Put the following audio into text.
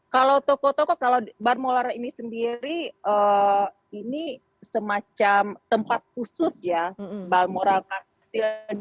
kalau toko toko kalau balmoral ini sendiri ini semacam tempat khusus ya balmoral castle